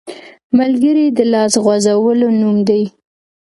ملګری د لاس غځولو نوم دی